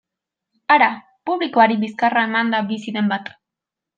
Hara, publikoari bizkarra emanda bizi den bat?